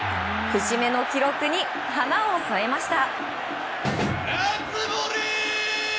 節目の記録に花を添えました。